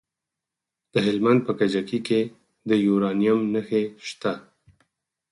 د هلمند په کجکي کې د یورانیم نښې شته.